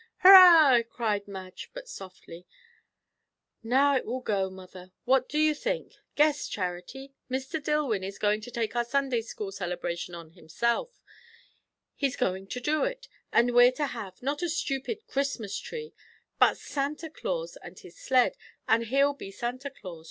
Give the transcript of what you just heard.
"Hurrah!" cried Madge, but softly "Now it will go! Mother! what do you think? Guess, Charity! Mr. Dillwyn is going to take our Sunday school celebration on himself; he's going to do it; and we're to have, not a stupid Christmas tree, but Santa Claus and his sled; and he'll be Santa Claus!